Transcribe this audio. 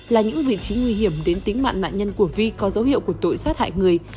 là những vị trí nguy hiểm đến tính mạng nạn nhân của vi có dấu hiệu của tội sát hại người